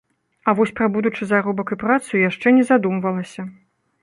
А вось пра будучы заробак і працу яшчэ не задумвалася.